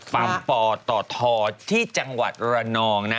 ปั๊มปตทที่จังหวัดระนองนะ